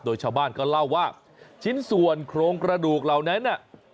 โดยชาวบ้านก็เล่าว่าชิ้นส่วนโครงกระดูกเหล่านั้นน่ะ